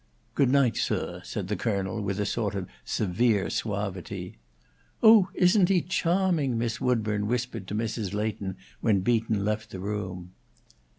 "Good night, sir," said the Colonel, with a sort of severe suavity. "Oh, isn't he choming!" Miss Woodburn whispered to Mrs. Leighton when Beaton left the room.